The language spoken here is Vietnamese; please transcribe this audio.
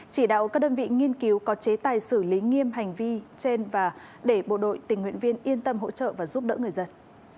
chỉ đạo các đơn vị nghiên cứu có chế tài xử lý nghiêm hành vi trên và để bộ đội tình nguyện viên yên tâm hỗ trợ và giúp đỡ người dân